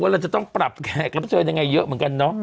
เราจะต้องปรับแขกรับเชิญยังไงเยอะเหมือนกันเนาะ